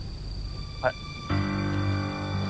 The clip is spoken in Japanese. はい。